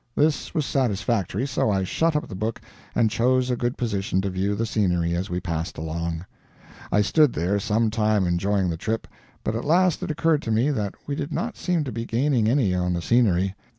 This was satisfactory, so I shut up the book and chose a good position to view the scenery as we passed along. I stood there some time enjoying the trip, but at last it occurred to me that we did not seem to be gaining any on the scenery.